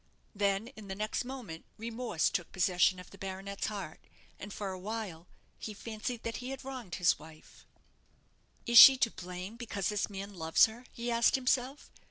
Then, in the next moment, remorse took possession of the baronet's heart, and for awhile he fancied that he had wronged his wife. "Is she to blame because this man loves her?" he asked himself.